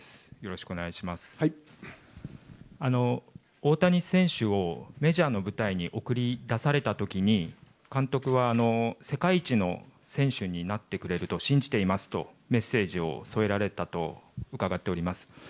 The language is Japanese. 大谷選手をメジャーの舞台に送り出された時に監督は世界一の選手になってくれると信じていますとメッセージを添えられたとうかがっております。